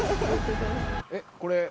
えっこれ。